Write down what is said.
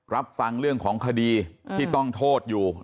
รับฟังเรื่องของคดีที่ต้องโทษอยู่